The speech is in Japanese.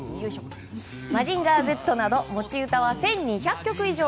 「マジンガーＺ」など持ち歌は１２００曲以上。